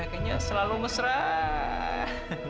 kayaknya selalu ngeseran